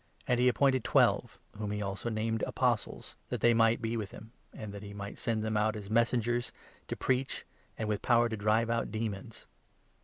And he appointed twelve — whom he also named ' Apostles '— 14 that they might be with him, and that he might send them out as his Messengers, to preach, and with power to drive 15 out demons.